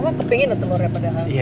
mama kepingin loh telurnya padahal